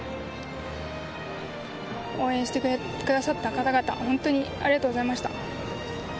応援してくださった方々、本当にありがとうございました。